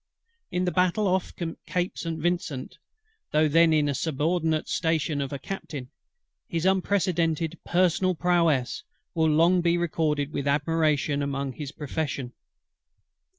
In the battle off CAPE ST. VINCENT, though then in the subordinate station of a Captain, his unprecedented personal prowess will long be recorded with admiration among his profession.